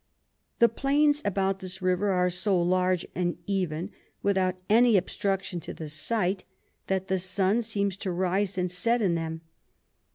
The Plains about this River are so large and even, without any Obstruction to the Sight, that the Sun seems to rise and set in them.